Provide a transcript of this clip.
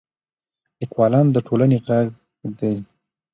لیکوالان د ټولنې ږغ دي.